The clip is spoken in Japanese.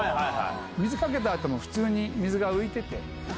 水かけたあとも普通に水が浮いてて。